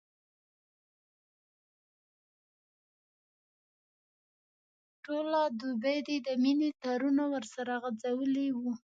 ټوله دوبي دي د مینې تارونه ورسره غځولي وو.